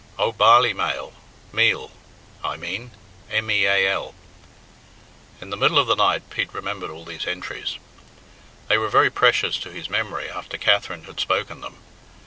Oh, barley male meal, I mean m e a l." In the middle of the night Pete remembered all these entries. They were very precious to his memory after Katherine had spoken them.